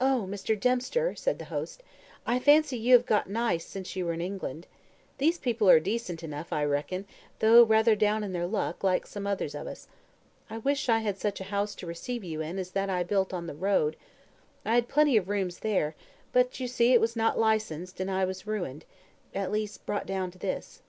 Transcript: "Oh, Mr. Dempster," said the host, "I fancy you have got nice since you were in England. These people are decent enough, I reckon, though rather down in their luck, like some others of us. I wish I had such a house to receive you in as that I built on the Road. I had plenty rooms there; but you see it was not licensed, and I was ruined at least brought down to this."